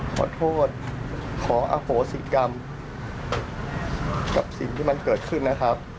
ขอโทษขออโหสิกรรมกับสิ่งที่มันเกิดขึ้นนะครับ